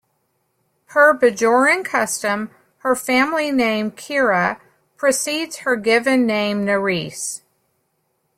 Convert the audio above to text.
Per Bajoran custom, her family name, Kira, precedes her given name, Nerys.